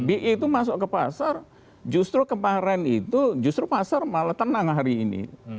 bi itu masuk ke pasar justru kemarin itu justru pasar malah tenang hari ini